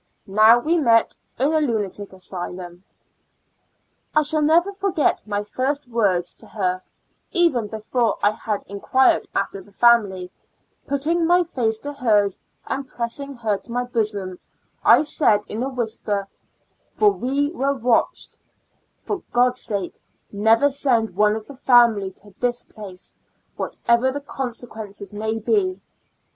Now we meet in a lunatic asylum. I shall never forget my first words to her, even before I had enquired after the family, putting my face to hers, and press ing her to my bosom, I said, in a whisper, for we were watched — "for Gods sake never send one of the family to this place what ever the consequences may be."